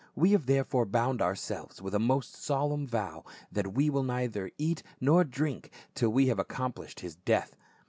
We have therefore bound our selves with a most solemn vow that we will neither eat nor drink till we ha\ e accomplished his death.